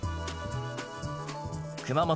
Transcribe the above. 熊本